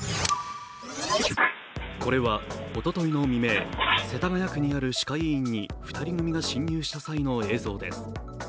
これは、おとといの未明世田谷区にある歯科医院に２人組が侵入した際の映像です。